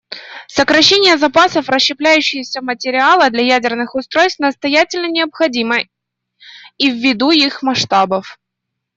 Сокращение запасов расщепляющегося материала для ядерных устройств настоятельно необходимо и ввиду их масштабов.